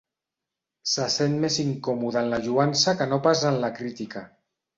Se sent més incòmode en la lloança que no pas en la crítica.